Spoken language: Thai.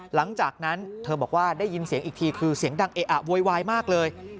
หลังจากนั้นเธอบอกว่าได้ยินเสียงอีกทีคือเสียงดังเอะอะโวยวายมากเลย